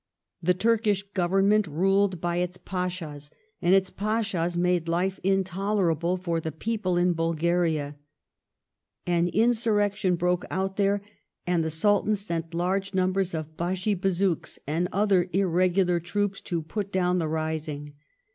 The Turkish Government ruled by its pashas, and its pashas made life intolerable for the people in Bulgaria. An insurrection broke out there, and the Sultan sent large numbers of Bashi Bazouks and other irregular troops to put down the rising.